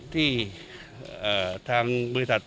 ที่ทางบริษัท